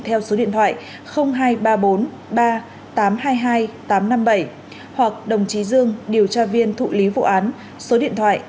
theo số điện thoại hai trăm ba mươi bốn ba nghìn tám trăm hai mươi hai tám trăm năm mươi bảy hoặc đồng chí dương điều tra viên thụ lý vụ án số điện thoại chín trăm ba mươi năm bảy trăm ba mươi bảy trăm bảy mươi chín